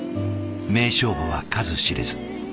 名勝負は数知れず。